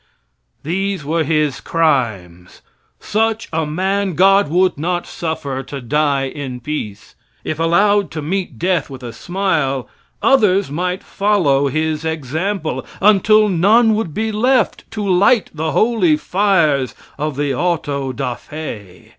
These were his crimes. Such a man God would not suffer to die in peace. If allowed to meet death with a smile, others might follow his example, until none would be left to light the holy fires of the auto da fe.